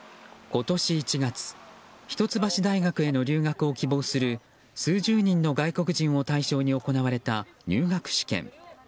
今年１月一橋大学への留学を希望する数十人の外国人を対象に行われた入学試験。